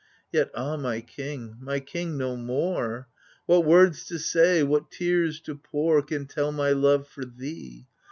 Yet ah my king, my king no more ! What words to say, what tears to pour Can tell my love for thee